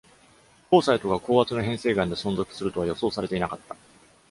コーサイトが、高圧の変成岩で存続するとは予想されていなかった。